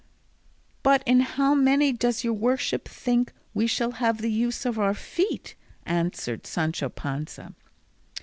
"But in how many does your worship think we shall have the use of our feet?" answered Sancho Panza.